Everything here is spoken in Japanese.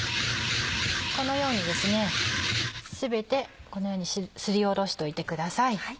このようにですね全てこのようにすりおろしといてください。